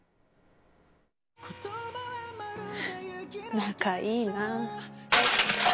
仲いいなあ。